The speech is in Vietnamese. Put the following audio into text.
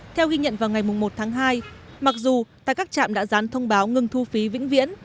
theo ghi nhận vào ngày một tháng hai mặc dù tại các trạm đã dán thông báo ngừng thu phí vĩnh viễn